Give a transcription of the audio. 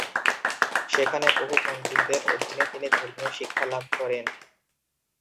সেখানে বহু পণ্ডিতদের অধীনে তিনি ধর্মীয় শিক্ষা লাভ করেন।